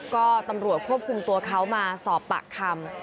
ก็ตำรวจควบคุมตัวเขามาสอบปากคำ